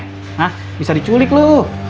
hah bisa diculik lu